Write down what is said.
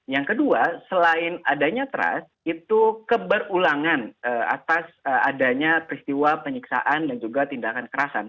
yang kedua selain adanya trust itu keberulangan atas adanya peristiwa penyiksaan dan juga tindakan kerasan